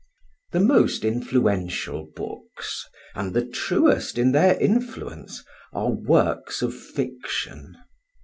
The most influential books, and the truest in their influence, are works of fiction.